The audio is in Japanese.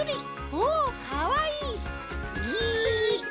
おおかっこいい！